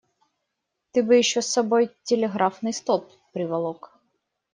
Ты бы еще с собой телеграфный столб приволок.